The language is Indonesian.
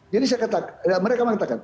jadi mereka mengatakan